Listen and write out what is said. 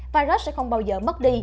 virus sẽ không bao giờ mất đi